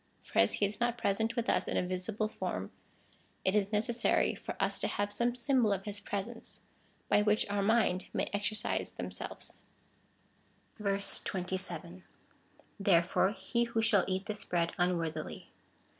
For as he is not present with us in a visible form, it is necessary for us to have some symbol of his presence, by which our minds may exercise themselves. 27. Therefore he who shall eat this bread unworthily.